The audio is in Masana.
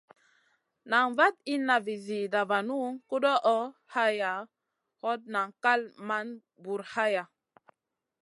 Nan vaɗ inna vi zida vanu, koɗoʼ hayaʼa, hot nan kal man bur haya.